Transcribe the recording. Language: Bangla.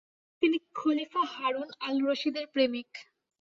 তিনি খলিফা হারুন আল রশিদের প্রেমিক।